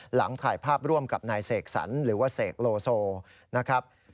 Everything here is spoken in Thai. หลังถ่ายภาพร่วมกับนายเสกสรรหรือว่าเสกโลโซนะครับ